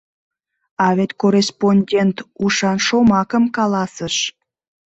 — А вет корреспондент ушан шомакым каласыш!